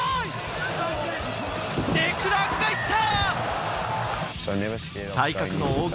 デクラークがいった！